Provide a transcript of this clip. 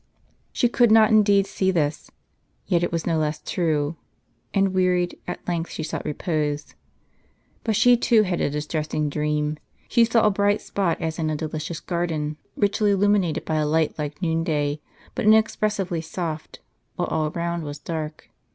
She could not indeed see this ; yet it w^as no less true ; and wearied, at length she sought repose. But she too had a distressing dream. She saw a bright spot as in a delicious garden, richly illuminated by a light like noonday, but inexpressibly soft; while all around was dark.